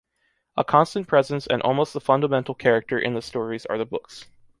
A constant presence and almost the fundamental character in the stories are the books.